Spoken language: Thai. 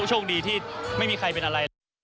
โชคดีที่ไม่มีใครเป็นอะไรเลย